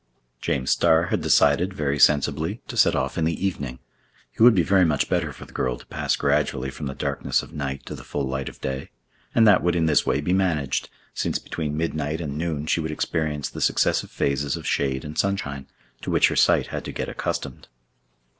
James Starr had decided, very sensibly, to set off in the evening. It would be very much better for the girl to pass gradually from the darkness of night to the full light of day; and that would in this way be managed, since between midnight and noon she would experience the successive phases of shade and sunshine, to which her sight had to get accustomed.